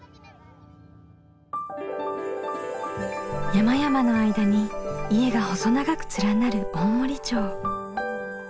山々の間に家が細長く連なる大森町。